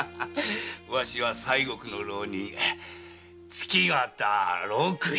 わしは西国の浪人月形呂九平。